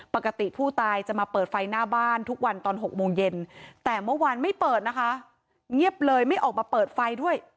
ปกติผู้ตายจะมาเปิดไฟหน้าบ้านทุกวันตอน๖โมงเย็นแต่เมื่อวานไม่เปิดนะคะเงียบเลยไม่ออกมาเปิดไฟด้วย